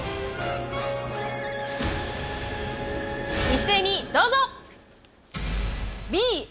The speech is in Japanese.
一斉にどうぞ！